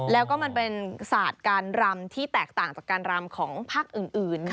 แล้วก็มันเป็นศาสตร์การรำที่แตกต่างจากการรำของภาคอื่น